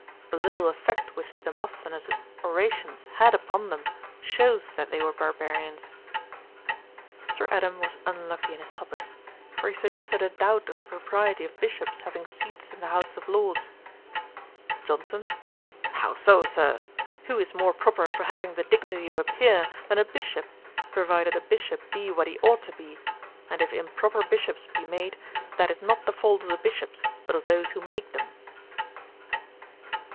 The little effect which Demosthenes's orations had upon them, shews that they were barbarians.' Sir Adam was unlucky in his topicks; for he suggested a doubt of the propriety of Bishops having seats in the House of Lords. JOHNSON. 'How so, Sir? Who is more proper for having the dignity of a peer, than a Bishop, provided a Bishop be what he ought to be; and if improper Bishops be made, that is not the fault of the Bishops, but of those who make them.'